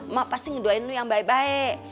mak pasti ngedoain lo yang baik baik